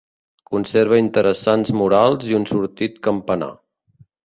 Conserva interessants murals i un sortit campanar.